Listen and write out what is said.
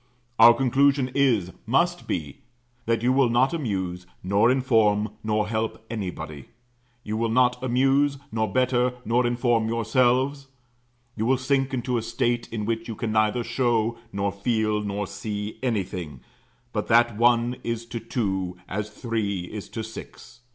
Our conclusion is must be that you will not amuse, nor inform, nor help anybody; you will not amuse, nor better, nor inform yourselves; you will sink into a state in which you can neither show, nor feel, nor see, anything, but that one is to two as three is to six.